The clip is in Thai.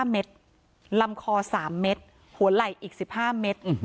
๕เมตรลำคอ๓เม็ดหัวไหล่อีก๑๕เมตร